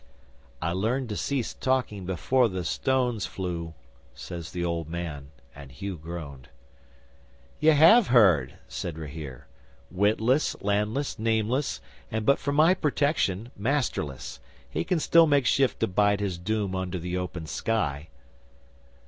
'"I learned to cease talking before the stones flew," says the old man, and Hugh groaned. '"Ye have heard!" said Rahere. "Witless, landless, nameless, and, but for my protection, masterless, he can still make shift to bide his doom under the open sky."